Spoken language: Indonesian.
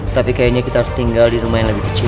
tapi kayaknya kita harus tinggal di rumah yang lebih kecil